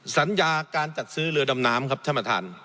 สัญญาการจัดซื้อเรือดำน้ำครับท่านประธาน